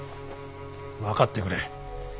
分かってくれ。